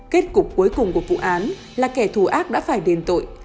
kết cục cuối cùng của vụ án là kẻ thù ác đã phải đền tội